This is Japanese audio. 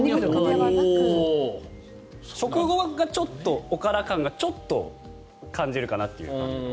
食後がちょっとおから感がちょっと感じるかなと。